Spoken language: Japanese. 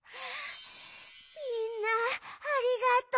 みんなありがとう。